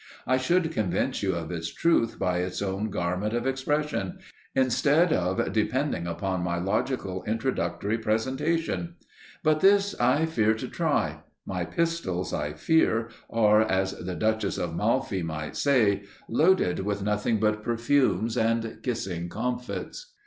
I should convince you of its truth by its own garment of expression, instead of depending upon my logical introductory presentation. But this I fear to try. My pistols, I fear, are, as the Duchess of Malfi might say, loaded with nothing but perfumes and kissing comfits.